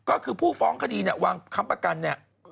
ก็คือผู้ฟ้องคดีวางคำประกัน